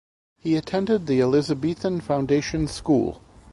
He attended the Elizabethan Foundation School.